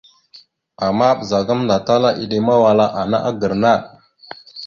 Ama ɓəza gamənda tala eɗemawala ana agra naɗ.